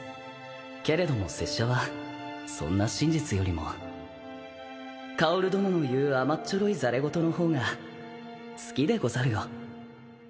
けれども拙者はそんな真実よりも薫殿の言う甘っちょろいざれ言の方が好きでござるよ